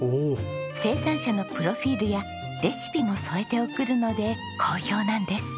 生産者のプロフィルやレシピも添えて送るので好評なんです。